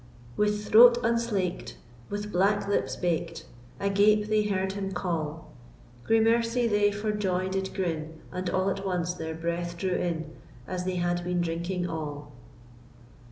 With throat unslaked, with black lips baked, Agape they heard him call; Gramercy they for joy did grin, And all at once their breath drew in, As they had been drinking all!